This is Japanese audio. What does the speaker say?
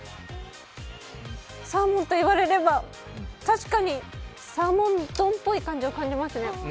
サーモンと言われれば確かにサーモン度っぽく感じられますね。